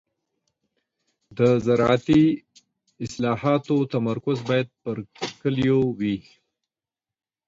د زراعتي اصلاحاتو تمرکز باید پر کليو وي.